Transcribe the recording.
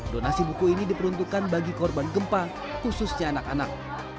donasi buku ini diperuntukkan bagi korban gempa khususnya anak anak